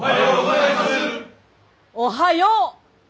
おはよう！